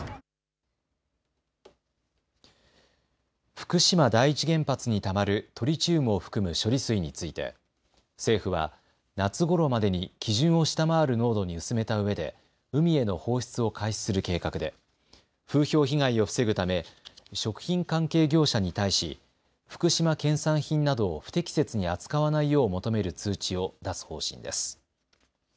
福島第一原発にたまるトリチウムを含む処理水について政府は夏ごろまでに基準を下回る濃度に薄めたうえで海への放出を開始する計画で風評被害を防ぐため食品関係業者に対し福島県産品などを不適切に扱わないよう求める通知を出す方針です。